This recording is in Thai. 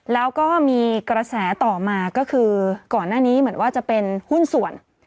แล้วก็มีกระแสต่อมาก็คือก่อนหน้านี้เหมือนว่าจะเป็นหุ้นส่วน